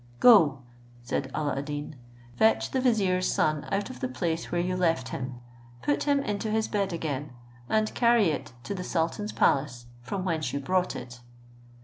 "Go," said Alla ad Deen, "fetch the vizier's son out of the place where you left him, put him into his bed again, and carry it to the sultan's palace, from whence you brought it."